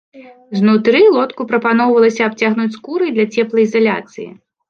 Знутры лодку прапаноўвалася абцягнуць скурай для цеплаізаляцыі.